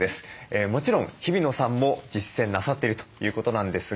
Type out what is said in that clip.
もちろん日比野さんも実践なさっているということなんですが。